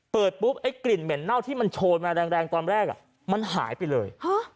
เปิดปุ๊บไอ้กลิ่นเหม็นเน่าที่มันโชยมาแรงตอนแรกมันหายไปเลย